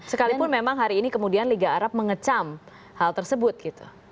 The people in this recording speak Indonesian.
sekalipun memang hari ini kemudian liga arab mengecam hal tersebut gitu